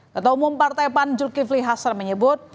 ketua umum partai pan julkifli hasra menyebut